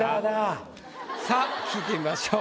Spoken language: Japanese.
さあ聞いてみましょう。